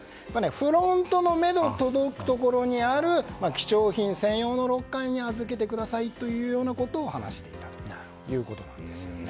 フロントの目の届くところにある貴重品専用のロッカーに預けてくださいというようなことを話していたということなんですね。